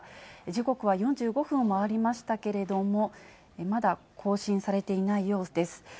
時刻は４５分を回りましたけれども、まだ更新されていないようです。